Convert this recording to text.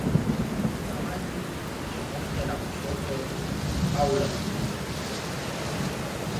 Mtazamaji ni jicho moja la kushoto au la kulia.